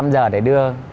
một trăm linh giờ để đưa